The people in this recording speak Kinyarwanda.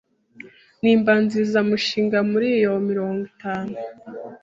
Nimbanzirizamushinga muri yo mirongo itanu